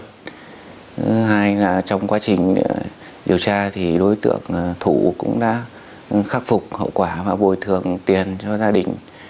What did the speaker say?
thứ hai là trong quá trình điều tra thì đối tượng thủ cũng đã khắc phục hậu quả và bồi thường tiền cho gia đình